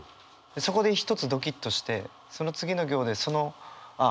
そこで一つドキッとしてその次の行でそのああ